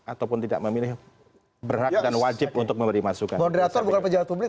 ataupun tidak memilih berhak dan wajib untuk memberi masukan moderator bukan pejabat publik